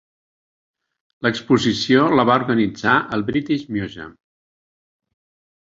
L'exposició la va organitzar el British Museum.